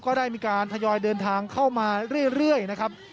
ก็ได้มีการทยอยเดินทางเข้ามาเรื่อยนะครับ